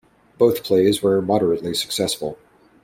Both plays were moderately successful.